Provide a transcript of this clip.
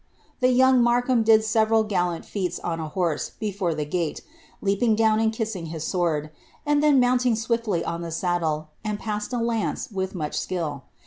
*^ The younger Markham did several gallant feats on a horse before M) gate, leaping down and kissing his sword, and then mounting swiftly B ihe saddle, and passed a lance with much skill.